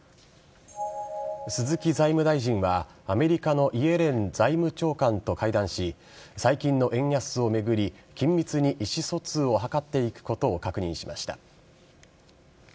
鈴木財務大臣は、アメリカのイエレン財務長官と会談し最近の円安を巡り緊密に意思疎通を図っていくことを確認しました。